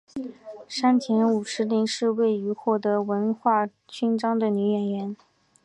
山田五十铃是首位获得文化勋章的女演员。